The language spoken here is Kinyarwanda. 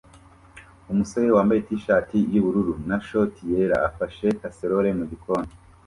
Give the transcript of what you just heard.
Umusore wambaye t-shati yubururu na shorti yera afashe casserole mugikoni